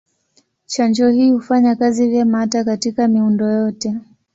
Chanjo hii hufanya kazi vyema hata katika miundo yote.